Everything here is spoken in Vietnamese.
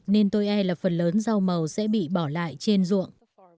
nên tôi e là phần lớn rau màu sẽ bị bỏ lại trên ruộng